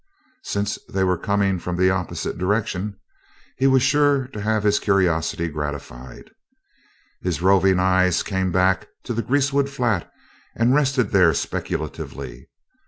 Since they were coming from the opposite direction he was sure to have his curiosity gratified. His roving eyes came back to the greasewood flat and rested there speculatively.